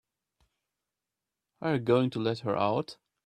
Are you going to let her out?